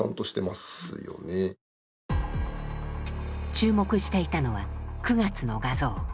注目していたのは９月の画像。